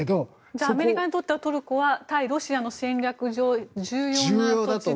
アメリカにとってトルコは対ロシアの戦略上、重要だと。